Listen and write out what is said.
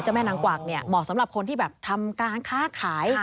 เจ้าแม่นางกวักเหมาะสำหรับคนที่ทำการค้าขาย